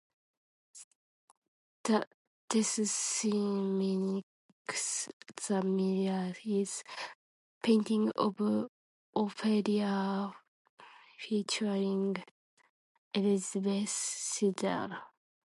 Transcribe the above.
The death scene mimics the Millais painting of Ophelia featuring Elizabeth Siddal.